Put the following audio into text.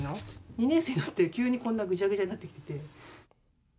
２年生になって急にこんなぐちゃぐちゃになってきていて。